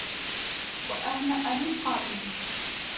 وَأَهْنَأَ لِلْقَابِلِ